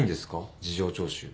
事情聴取。